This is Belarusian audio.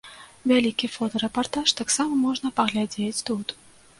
Вялікі фотарэпартаж таксама можна паглядзець тут.